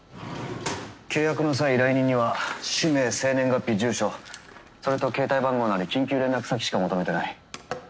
契約の際依頼人には氏名生年月日住所それと携帯番号なり緊急連絡先しか求めてない。